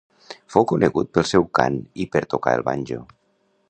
Fou conegut pel seu cant i per tocar el banjo.